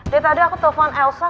dari tadi aku telepon elsa